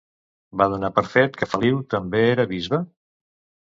Van donar per fet que Feliu també era bisbe?